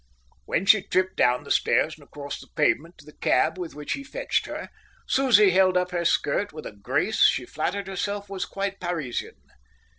When she tripped down the stairs and across the pavement to the cab with which he fetched her, Susie held up her skirt with a grace she flattered herself was quite Parisian.